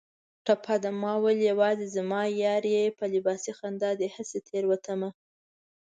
ټپه ده: ماوېل یوازې زما یار یې په لباسي خندا دې هسې تېروتمه